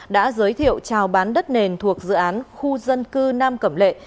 đã giới thiệu trào bán đất nền thuộc dự án khu dân cư nam cẩm lệ